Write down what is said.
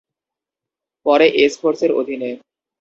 পরে ‘এস’ ফোর্সের অধীনে।